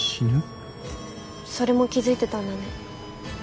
それも気付いてたんだね。